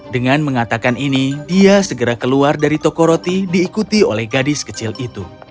dengan mengatakan ini dia segera keluar dari toko roti diikuti oleh gadis kecil itu